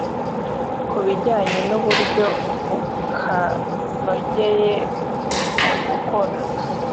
ku bijyanye n uburyo bukanogeye mu gukora